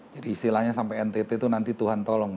jadi istilahnya sampai ntt itu nanti tuhan tolong